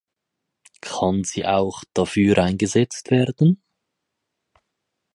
Kann sie auch dafür eingesetzt werden?